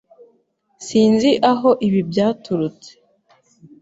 Sinzi aho ibi byaturutse.